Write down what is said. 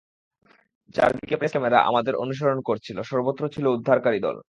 চারদিকে press camera আমাদের অনুসরণ করছিল, সর্বত্র ছিল উদ্ধারকারী দল।